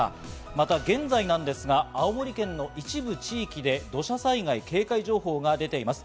また現在ですが、青森県の一部地域で土砂災害警戒情報が出ています。